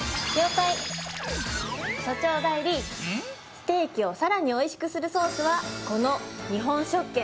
ステーキをさらに美味しくするソースはこの。